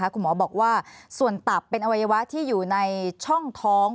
คุณหมอบอกว่าส่วนตับเป็นอวัยวะที่อยู่ในช่องท้อง